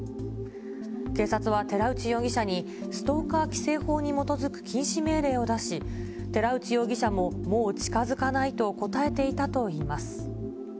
警察は寺内容疑者に、ストーカー規制法に基づく禁止命令を出し、寺内容疑者も、もう近づかないと答えていたといいます。